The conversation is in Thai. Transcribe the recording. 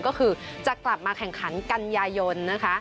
ก็คือจะกลับมาแข่งขันกันยายนนะคะ